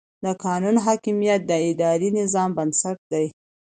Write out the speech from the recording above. د قانون حاکمیت د اداري نظام بنسټ دی.